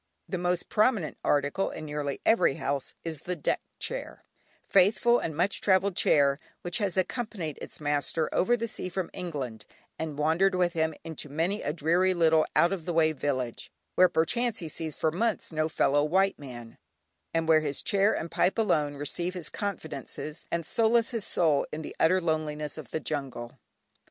The most prominent article in nearly every house is the deck chair, faithful and much travelled chair, which has accompanied its master over the sea from England, and wandered with him into many a dreary little out of the way village, where perchance he sees for months no fellow white man, and where his chair and pipe alone receive his confidences, and solace his soul in the utter loneliness of the jungle.